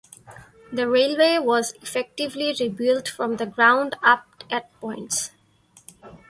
The railway was effectively rebuilt from the ground up at points.